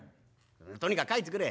とにかく書いてくれ」。